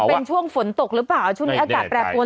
เป็นช่วงฝนตกหรือเปล่าช่วงนี้อากาศแปรปวน